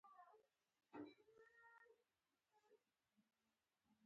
د پنجشیر کبان مشهور دي